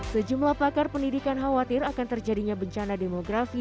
sejumlah pakar pendidikan khawatir akan terjadinya bencana demografi